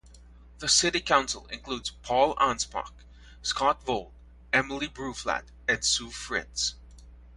The city council includes Paul Anspach, Scott Vold, Emily Bruflat, and Sue Fritz.